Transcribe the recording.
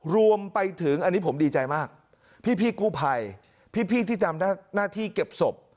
รวมไปถึงอันนี้ผมดีใจมากพี่กู้ภัยพี่ที่ทำหน้าที่เก็บศพ